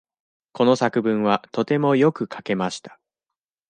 この作文はとてもよく書けました。